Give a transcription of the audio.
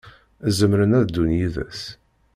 Zemren ad ddun yid-s.